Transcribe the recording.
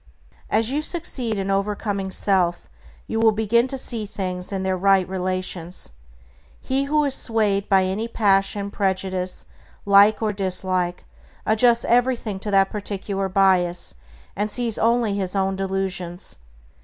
As you succeed in overcoming self you will begin to see things in their right relations. He who is swayed by any passion, prejudice, like or dislike, adjusts everything to that particular bias, and sees only his own delusions.